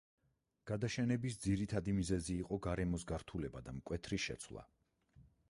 გადაშენების ძირითადი მიზეზი იყო გარემოს გართულება და მკვეთრი შეცვლა.